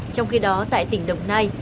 trong khi đó tại tỉnh đồng nai